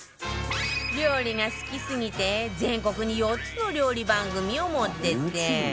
料理が好きすぎて全国に４つの料理番組を持ってて